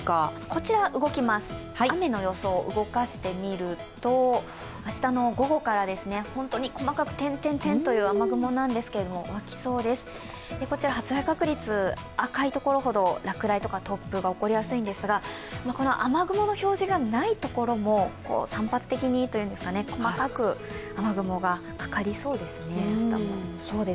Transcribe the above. こちら動きます、雨の予想を動かしてみると明日の午後から、本当に細かく点々とした雨雲なんですが湧きそうです、発雷確率、赤いところほど、落雷、突風が起こりやすいんですがこの雨雲の表示がないところも散発的にというか、細かく雨雲がかかりそうですね、明日も。